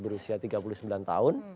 berusia tiga puluh sembilan tahun